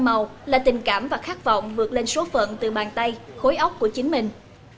để trong từng đét vẽ gam màu là tình cảm và khát vọng vượt lên số phận từ bàn tay khối ốc của chính mình